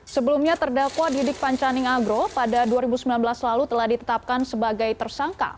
sebelumnya terdakwa didik pancaning agro pada dua ribu sembilan belas lalu telah ditetapkan sebagai tersangka